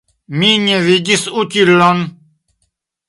Mi ne vidis utilon.